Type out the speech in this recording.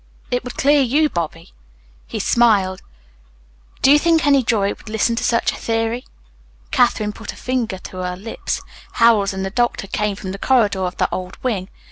It would clear you, Bobby." He smiled. "Do you think any jury would listen to such a theory?" Katherine put her finger to her lips. Howells and the doctor came from the corridor of the old wing.